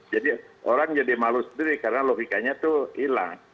jadi orang jadi malu sendiri karena logikanya tuh hilang